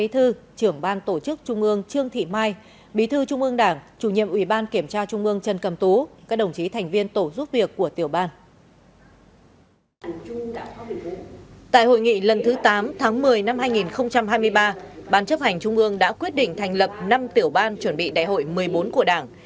tại hội nghị lần thứ tám tháng một mươi năm hai nghìn hai mươi ba ban chấp hành trung ương đã quyết định thành lập năm tiểu ban chuẩn bị đại hội một mươi bốn của đảng